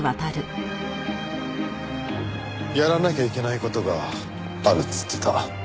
やらなきゃいけない事があるって言ってた。